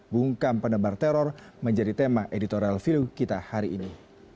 bungkam penebar teror menjadi tema editorial view kita hari ini